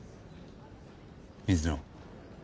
水野。